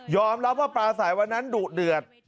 รับว่าปลาสายวันนั้นดุเดือด